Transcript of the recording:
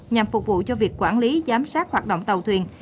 nhằm phục vụ cho việc quản lý giám sát hoạt động tàu thuyền